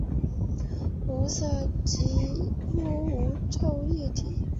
无色几乎无臭液体。